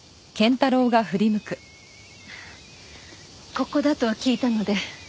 ここだと聞いたので。